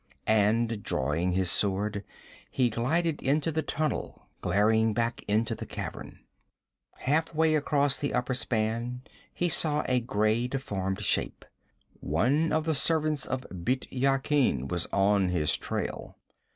And drawing his sword, he glided into the tunnel, glaring back into the cavern. Halfway across the upper span he saw a gray deformed shape. One of the servants of Bît Yakin was on his trail.